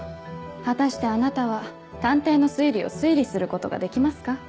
果たしてあなたは探偵の推理を推理することができますか？